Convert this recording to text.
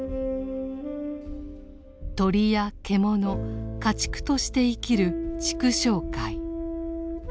鳥や獣家畜として生きる畜生界。